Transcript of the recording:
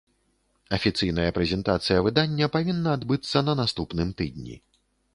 Афіцыйная прэзентацыя выдання павінна адбыцца на наступным тыдні.